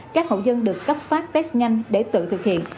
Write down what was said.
các hộ dân được cấp phát test nhanh để tự thực hiện